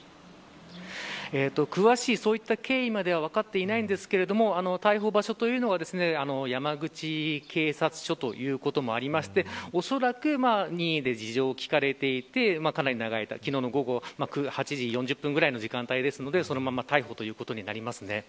そういった経緯までは分かっていないんですが逮捕場所というのは山口警察署ということもありましておそらく任意で事情を聴かれていてかなり長い間８時４０分ぐらいの時間帯ですので、そのまま逮捕ということになります。